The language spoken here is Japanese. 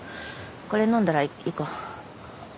これ飲んだら行こう。